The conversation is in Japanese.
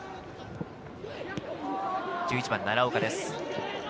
１１番・奈良岡です。